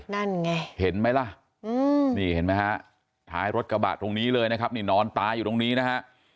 นั่นไงเห็นไหมล่ะนี่เห็นไหมฮะท้ายรถกระบะตรงนี้เลยนะครับนี่นอนตายอยู่ตรงนี้นะฮะ